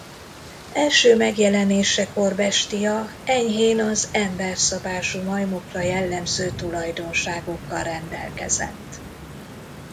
Első megjelenésekor Bestia enyhén az emberszabású majmokra jellemző tulajdonságokkal rendelkezett.